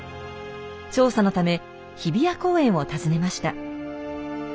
調査のため日比谷公園を訪ねました。